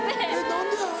何でやろ？